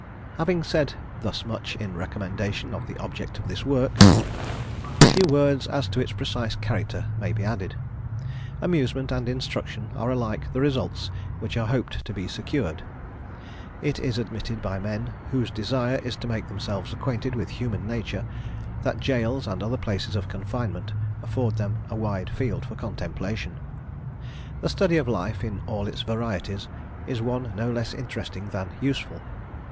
Having said thus much in recommendation of the object of this work, a few words as to its precise character may be added. Amusement and instruction are alike the results which are hoped to be secured. It is admitted by men, whose desire it is to make themselves acquainted with human nature, that jails and other places of confinement afford them a wide field for contemplation. The study of life, in all its varieties, is one no less interesting than useful.